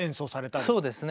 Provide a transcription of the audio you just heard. そうですね。